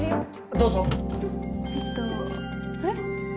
どうぞえっとあれ？